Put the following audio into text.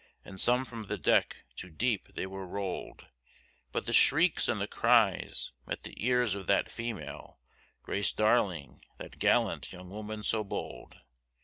And some from the deck to deep they were roll'd, But the shrieks and the cries met the ears of that female, Grace Darling that gallant young woman so bold.